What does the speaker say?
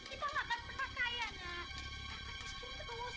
kita tak pernah kaya followers